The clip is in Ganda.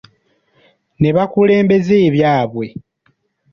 Ne bakulembeza ebyabwe.